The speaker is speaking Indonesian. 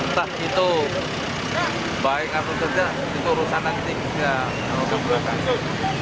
entah itu baik atau tidak itu urusan nanti kita akan melakukan